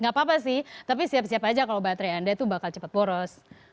gak apa apa sih tapi siap siap aja kalau baterai anda itu bakal cepat boros